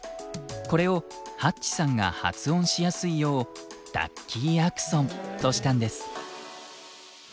これをＨａｔｃｈさんが発音しやすいようダッキー・アクソンとしたんです。